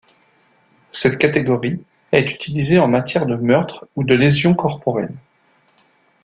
Cette catégorie est utilisée en matière de meurtre ou de lésions corporelles.